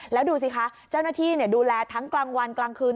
แล้วดูสิคะเจ้าหน้าที่ดูแลทั้งกลางวันกลางคืน